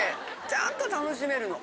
ちゃんと楽しめるの。